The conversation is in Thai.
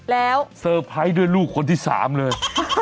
แล้วเซอร์ไพรส์ด้วยลูกคนที่๓เลย